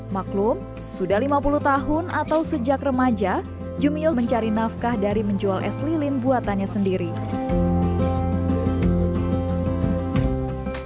maklum sudah lima puluh tahun atau sejak remaja jumio mencari nafkah dari menjual es lilin buat menjual es lilin